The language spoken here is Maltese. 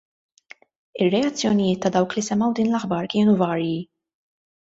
Ir-reazzjonijiet ta' dawk li semgħu din l-aħbar kienu varji.